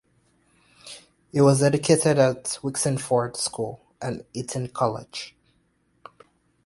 He was educated at Wixenford School and Eton College.